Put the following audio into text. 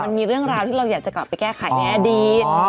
มันมีเรื่องราวที่เราอยากจะกลับไปแก้ไขในอดีต